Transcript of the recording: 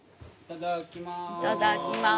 いただきます。